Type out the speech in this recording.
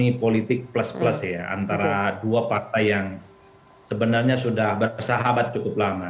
ini politik plus plus ya antara dua partai yang sebenarnya sudah bersahabat cukup lama